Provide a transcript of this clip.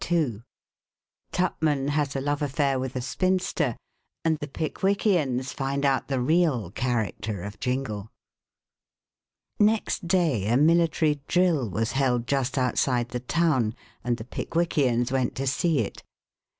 II TUPMAN HAS A LOVE AFFAIR WITH A SPINSTER, AND THE PICKWICKIANS FIND OUT THE REAL CHARACTER OF JINGLE Next day a military drill was held just outside the town and the Pickwickians went to see it.